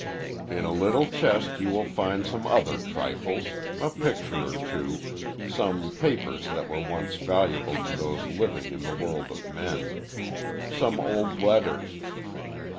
In a little chest you will find some other trifles a picture or two, some papers that were once valuable to those living in the world of men, some old letters.